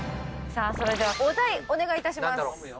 それではお題お願いいたします。